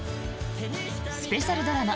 スペシャルドラマ